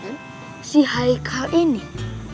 itu si haikal kira kira gelap